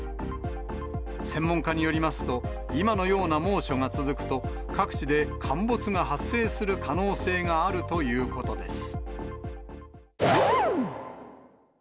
専門家によりますと、今のような猛暑が続くと、各地で陥没が発生する可能性があるということです。